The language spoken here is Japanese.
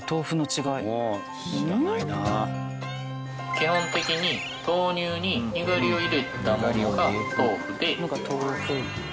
基本的に豆乳ににがりを入れたものが豆腐で。